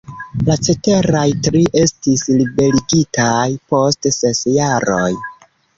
La ceteraj tri estis liberigitaj post ses jaroj.